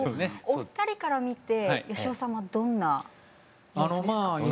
お二人から見て芳雄さんはどんな様子ですか？